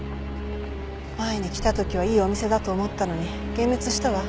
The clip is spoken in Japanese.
前に来た時はいいお店だと思ったのに幻滅したわ。